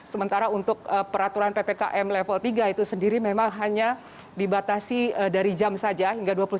sementara untuk peraturan ppkm level tiga itu sendiri memang hanya dibatasi dari jam saja hingga dua puluh satu